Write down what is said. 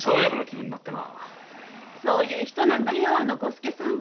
そういう人なんだよ伍助さんは。